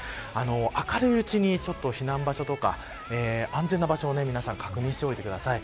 明るいうちに避難場所とか安全な場所を確認しておいてください。